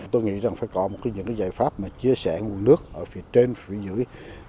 tôi nghĩ rằng phải có những giải pháp chia sẻ nguồn nước ở phía trên phía dưới